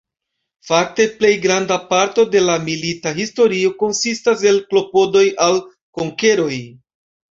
Fakte plej granda parto de la Milita historio konsistas el klopodoj al konkeroj.